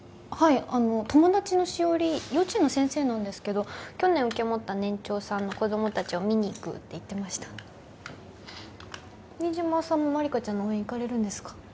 はいあの友達の詩織幼稚園の先生なんですけど去年受け持った年長さんの子供達を見に行くって言ってましたああ新島さんも万理華ちゃんの応援行かれるんですか？